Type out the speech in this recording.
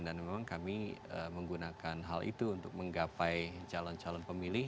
dan memang kami menggunakan hal itu untuk menggapai calon calon pemilih